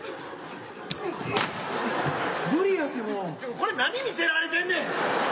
これ何見せられてんねん。